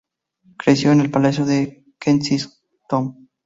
Creció en el palacio de Kensington.